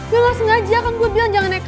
ya lah sengaja kan gue bilang jangan nekat